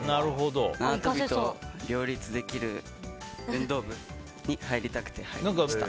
縄跳びと両立できる運動部に入りたくて入りました。